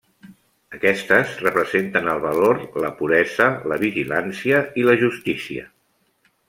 Aquestes representen el valor, la puresa, la vigilància, i la justícia.